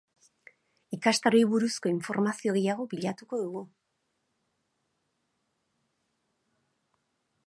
Ikastaroei buruzko informazio gehiago bilatuko dugu.